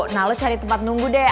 nah lo cari tempat nunggu deh